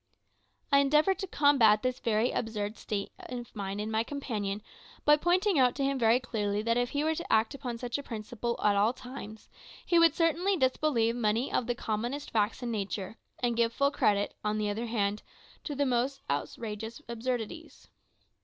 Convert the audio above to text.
I endeavoured to combat this very absurd state of mind in my companion by pointing out to him very clearly that if he were to act upon such a principle at all times, he would certainly disbelieve many of the commonest facts in nature, and give full credit, on the other hand, to the most outrageous absurdities.